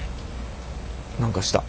何かした。